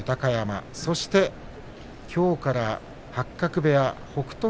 きょうから八角部屋北勝